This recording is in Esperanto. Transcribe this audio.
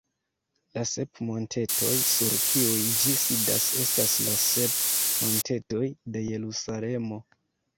La sep montetoj sur kiuj ĝi sidas estas la sep montetoj de Jerusalemo.